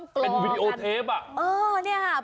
เป็นวิดีโอเทป